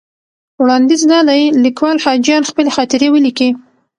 وړاندیز دا دی لیکوال حاجیان خپلې خاطرې ولیکي.